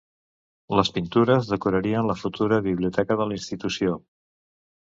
Les pintures decorarien la futura biblioteca de la institució.